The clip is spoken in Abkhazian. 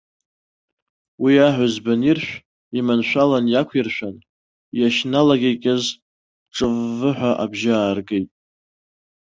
Уи аҳәызба аниршә, иманшәалан иақәиршәан, иахьналакьакьаз жыв-вв хәа абжьгьы ааргеит.